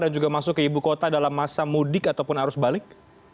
dan juga masuk ke ibu kota dalam masa mudik ataupun arus balik